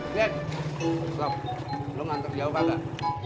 lihat lo ngantuk jauh gak mbak